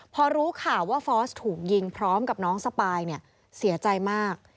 พอรู้ข่าวว่าฟอร์สถูกยิงพร้อมกับน้องสปายเนี่ยเสียใจมาก